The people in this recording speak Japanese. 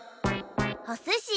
おすし？